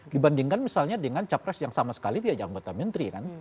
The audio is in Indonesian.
dibandingkan misalnya dengan capres yang sama sekali dia yang buat menteri kan